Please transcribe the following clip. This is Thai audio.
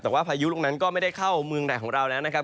แต่ว่าพายุลูกนั้นก็ไม่ได้เข้าเมืองไหนของเราแล้วนะครับ